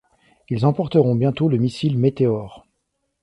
Ils emporteront bientôt le missile Meteor.